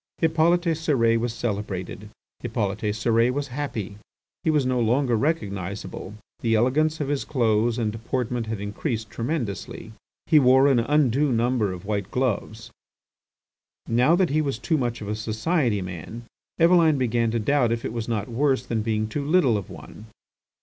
Hippolyte Cérès was celebrated; Hippolyte Cérès was happy. He was no longer recognisable; the elegance of his clothes and deportment had increased tremendously. He wore an undue number of white gloves. Now that he was too much of a society man, Eveline began to doubt if it was not worse than being too little of one.